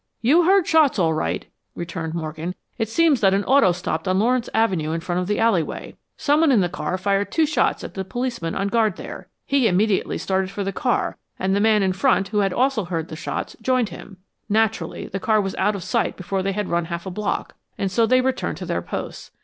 "You heard shots, all right," returned Morgan. "It seems that an auto stopped on Lawrence Avenue in front of the alleyway. Someone in the car fired two shots at the policeman on guard there. He immediately started for the car, and the man in front, who had also heard the shots, joined him. Naturally the car was out of sight before they had run half a block, and so they returned to their posts.